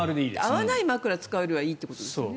合わない枕を使うよりはいいということですよね。